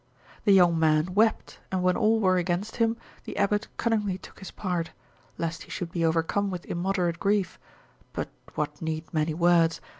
The young man wept, and when all were against him, the abbot cunningly took his part, lest he should be overcome with immoderate grief: but what need many words?